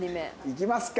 いきますか。